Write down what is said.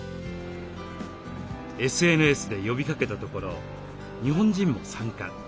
ＳＮＳで呼びかけたところ日本人も参加。